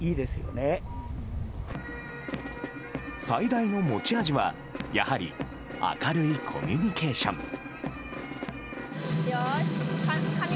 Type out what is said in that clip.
最大の持ち味は、やはり明るいコミュニケーション。